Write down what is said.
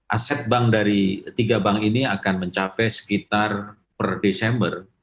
aset bank dari tiga bank ini akan mencapai sekitar per desember